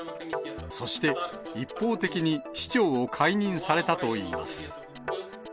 そして、一方的に市長を解任されたといいます。